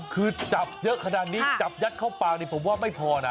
คือจับเยอะขนาดนี้จับยัดเข้าปากนี่ผมว่าไม่พอนะ